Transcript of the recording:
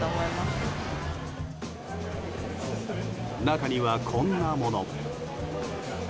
中には、こんなものも。